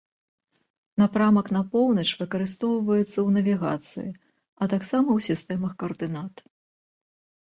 Напрамак на поўнач выкарыстоўваецца ў навігацыі, а таксама ў сістэмах каардынат.